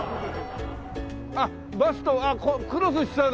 あっバスとクロスしちゃうなみんな。